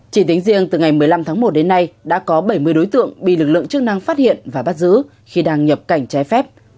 chỉ tính riêng từ ngày một mươi năm tháng một đến nay đã có bảy mươi đối tượng bị lực lượng chức năng phát hiện và bắt giữ khi đang nhập cảnh trái phép